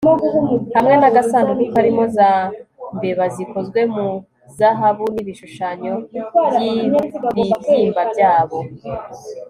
hamwe n'agasanduku karimo za mbeba zikozwe muri zahabu n'ibishushanyo by'ibibyimba byabo